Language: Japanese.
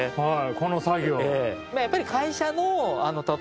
この作業。